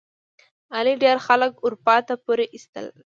علي ډېر خلک اروپا ته پورې ایستل.